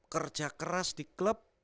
kerja keras di klub